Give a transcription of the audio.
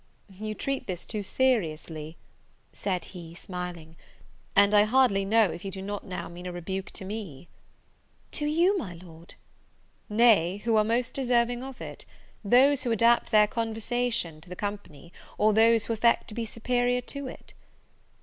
"You treat this too seriously," said he, smiling; "and I hardly know if you do not now mean a rebuke to me." "To you, my Lord!" "Nay, who are most deserving of it; those who adapt their conversation to the company, or those who affect to be superior to it?"